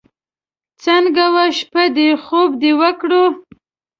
څنګه وه شپه دې؟ خوب دې وکړو.